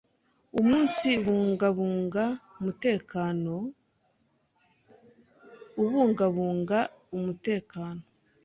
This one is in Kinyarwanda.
Umunsibungabunga umutekano ubungabunga umutekano